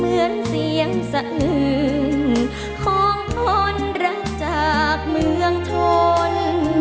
เหมือนเสียงสะอืนของคนรักจากเมืองทน